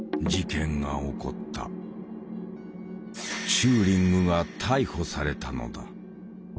チューリングが逮捕されたのだ。